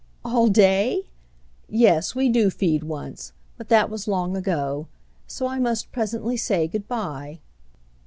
"All day? Yes, we do feed once. But that was long ago. So I must presently say good bye."